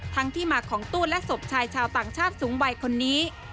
ที่มาของตู้และศพชายชาวต่างชาติสูงวัยคนนี้